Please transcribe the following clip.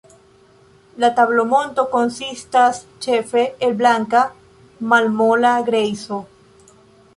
La tablomonto konsistas ĉefe el blanka, malmola grejso.